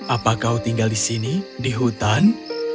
apa kau tinggal di sini di hutan